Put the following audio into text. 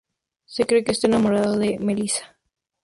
Se cree que está enamorado de Melissa.